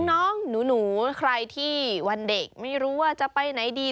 น้องหนูใครที่วันเด็กไม่รู้ว่าจะไปไหนดี